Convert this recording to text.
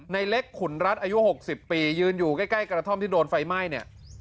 ในเล็กขุนรัฐอายุ๖๐ปียืนอยู่ใกล้กระท่อมที่โดนไฟไหม้เนี่ย